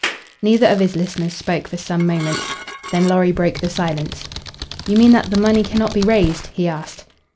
Neither of his listeners spoke for some moments. Then Lorry broke the silence. "You mean that the money cannot be raised?" he asked.